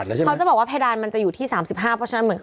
เขาจะบอกว่าเพดานมันอยู่ที่ถึง๓๕มีเหมือน